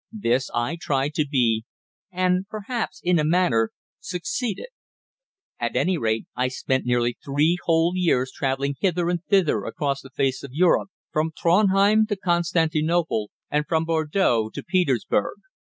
This I tried to be, and perhaps in a manner succeeded. At any rate, I spent nearly three whole years travelling hither and thither across the face of Europe, from Trondhjem to Constantinople, and from Bordeaux to Petersburg.